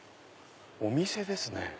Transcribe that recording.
お店ですね。